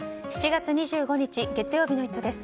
７月２５日月曜日の「イット！」です。